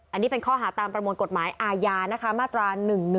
อันนี้เป็นข้อหาตามประมวลกฎหมายอาญานะคะมาตรา๑๑๒